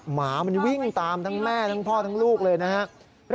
หมามันวิ่งตามทั้งแม่ทั้งพ่อทั้งลูกเลยนะครับ